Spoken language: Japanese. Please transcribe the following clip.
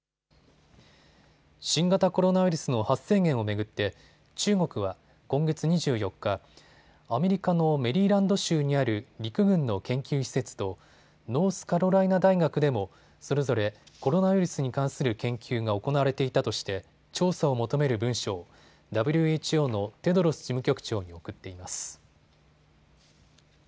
新型コロナウイルスの発生源を巡って中国は今月２４日、アメリカのメリーランド州にある陸軍の研究施設とノースカロライナ大学でもそれぞれコロナウイルスに関する研究が行われていたとして調査を求める文書をＷＨＯのテドロス事務局長に送っています。